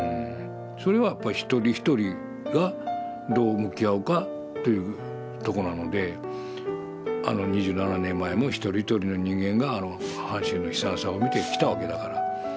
それはやっぱ一人一人がどう向き合うかというとこなのであの２７年前も一人一人の人間があの阪神の悲惨さを見てきたわけだから。